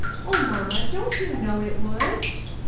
Oh, mamma, don't you know it would ?